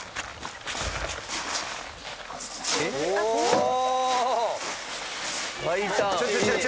おお！